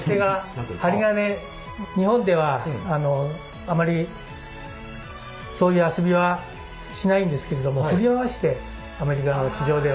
日本ではあまりそういう遊びはしないんですけれども振り回してアメリカの市場では。